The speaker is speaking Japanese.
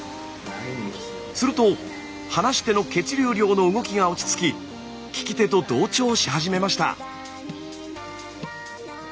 すると話し手の血流量の動きが落ち着き聞き手と同調し始めました。